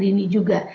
dan ini juga